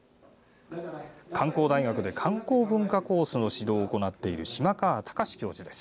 神奈川大学で観光文化コースの指導を行っている島川崇教授です。